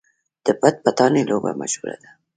د پټ پټانې لوبه مشهوره ده.